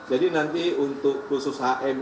jadi nanti untuk khusus hm